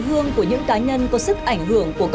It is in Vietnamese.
cũng đã khẳng định chủ trương